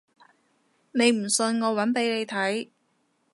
你唔信我搵俾你睇